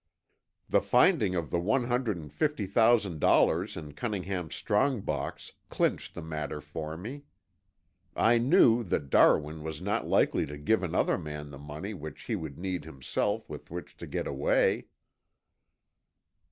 The finding of the one hundred and fifty thousand dollars in Cunningham's strong box clinched the matter for me. I knew that Darwin was not likely to give another man the money which he would need himself with which to get away."